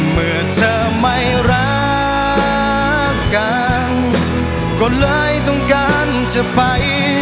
เมื่อเธอไม่รักกันก็เลยต้องการจะไป